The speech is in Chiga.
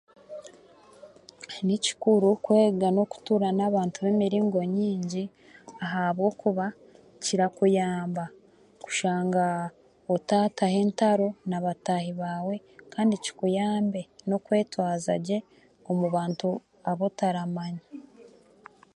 Ni kikuru kwega n'okutuura n'abantu b'emiringo nyingi ahabwokuba kirakuyamba kushaanga otaataho entaro nabataahi baawe kandi kikuyambe n'okwetwaza gye omu bantu ab'otaramanya